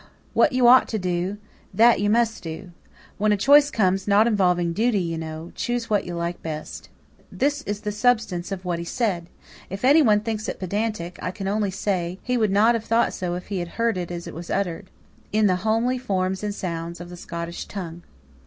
"What you ought to do, that you must do. Then when a choice comes, not involving duty, you know, choose what you like best." This is the substance of what he said. If anyone thinks it pedantic, I can only say, he would not have thought so if he had heard it as it was uttered in the homely forms and sounds of the Scottish tongue.